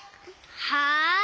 はい！